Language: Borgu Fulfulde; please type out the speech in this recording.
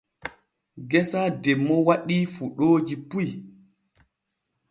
Geesa demmo waɗii fuɗooji puy.